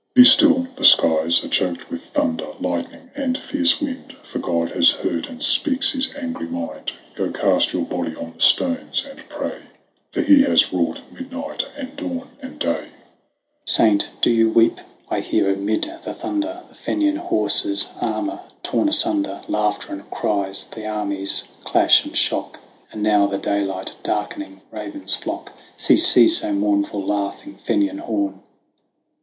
Be still : the skies Are choked with thunder, lightning, and fierce wind, For God has heard, and speaks His angry mind ; Go cast your body on the stones and pray, For He has wrought midnight and dawn and day. Oisin. Saint, do you weep ? I hear amid the thunder VOL. I. — I 114 THE WANDERINGS OF OISIN The Fenian horses; armour torn asunder; Laughter and cries:' the armies clash and shock ; All is done now ; I see the ravens flock ; Ah, cease, you mournful, laughing Fenian horn!